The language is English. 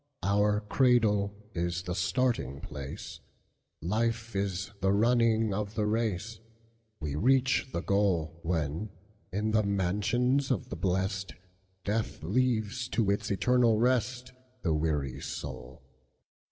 Our cradle is the starting place, Life is the running of the race, We reach the goalWhen, in the mansions of the blest, Death leaves to its eternal restThe weary soul.